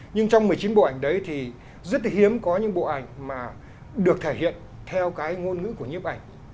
nhưng trong một mươi chín bộ ảnh đấy thì rất hiếm có những bộ ảnh mà được thể hiện theo cái ngôn ngữ của nhiếp ảnh